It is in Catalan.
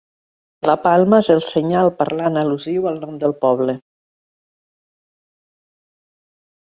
La palma és el senyal parlant al·lusiu al nom del poble.